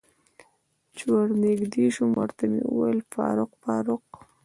چې ور نږدې شوم ورته مې وویل: فاروق، فاروق.